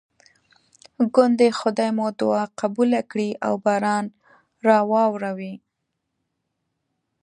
ګوندې خدای مو دعا قبوله کړي او باران راواوري.